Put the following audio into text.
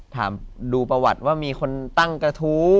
ถามดูประวัติว่ามีคนตั้งกระทู้